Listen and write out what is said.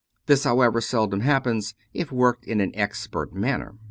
This, however, seldom happens if worked in an expert manner.